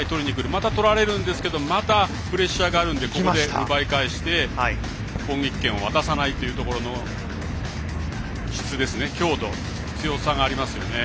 また取りにくるんですけどまた、プレッシャーがあるんでここで奪い返して攻撃権を渡さないというところの質ですね強度、強さがありますよね。